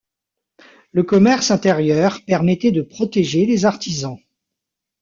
Le commerce intérieur permettait de protéger les artisans.